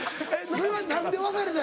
それは何で別れた？